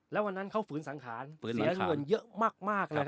และวันนั้นเข้าฝืนสังขารเพื่อนเยอะมากมาก